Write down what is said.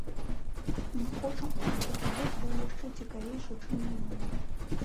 Мы хочам, каб гэты год быў яшчэ цікавейшы чым мінулы.